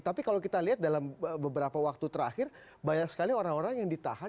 tapi kalau kita lihat dalam beberapa waktu terakhir banyak sekali orang orang yang ditahan